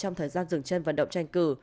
trong thời gian dừng chân vận động tranh cử